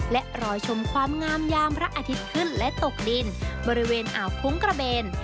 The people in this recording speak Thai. และรอชมความงามยามพระอาทิตย์ขึ้นและตกดินบริเวณอ่าวคุ้งกระเบน